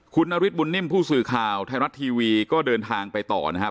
คุณนฤทธบุญนิ่มผู้สื่อข่าวไทยรัฐทีวีก็เดินทางไปต่อนะครับ